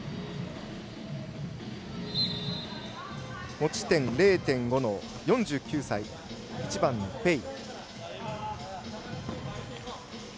持ち点０．５の４９歳１番、ペイ。